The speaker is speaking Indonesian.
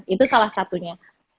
itu salah satunya